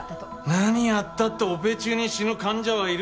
何やったってオペ中に死ぬ患者はいるんです。